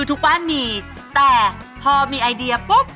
ทุกบ้านมีแต่พอมีไอเดียปุ๊บ